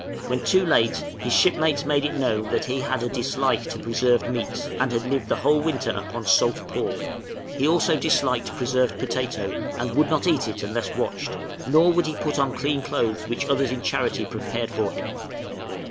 When too late his shipmates made it known that he had a dislike to preserved meats, and had lived the whole winter upon salt pork! He also disliked preserved potato, and would not eat it unless watched, nor would he put on clean clothes which others in charity prepared for him.